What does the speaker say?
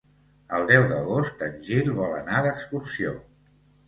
El deu d'agost en Gil vol anar d'excursió.